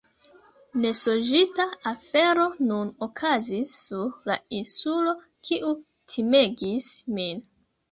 Nesonĝita afero nun okazis sur la insulo kiu timegis min.